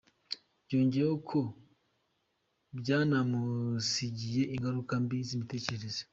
Yongeyeho ko byanamusigiye ingaruka mbi z’imitekerereze.